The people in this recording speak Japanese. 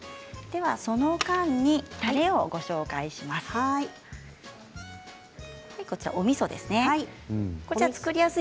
では、その間にたれをご紹介します。